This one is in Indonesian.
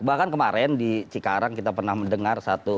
bahkan kemarin di cikarang kita pernah mendengar satu